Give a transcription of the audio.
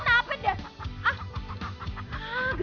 lu kenapa deh